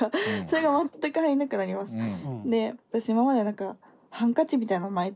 それが全く入んなくなりますね。